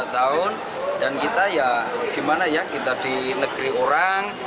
dua tahun dan kita ya gimana ya kita di negeri orang